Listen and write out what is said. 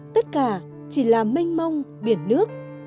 tất cả chỉ là mênh mông biển nước